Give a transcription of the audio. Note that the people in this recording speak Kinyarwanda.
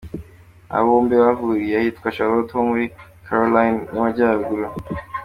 Aba bombi bahuriye ahitwa Charlotte ho muri Caroline y’amajyaruguru.